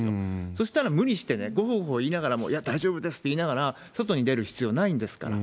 そしたら、無理してごほごほいいながらも、いや、大丈夫ですと言いながら外に出る必要ないんですから。